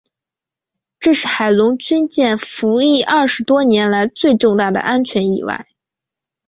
这是海龙军舰服役二十多年来最重大的安全意外。